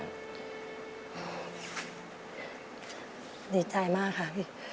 ดีใจมากค่ะ